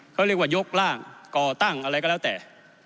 เขาเรียกว่ายกร่างก่อตั้งอะไรก็แล้วแต่